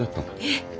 えっ。